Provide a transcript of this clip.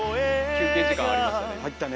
休憩時間ありましたね